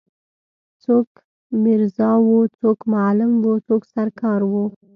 څوک میرزا وو څوک معلم وو څوک سر کار وو.